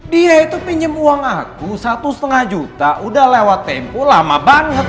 dia itu pinjam uang aku satu lima juta udah lewat tempo lama banget